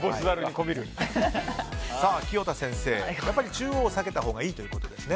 清田先生、中央を避けたほうがいいということですね。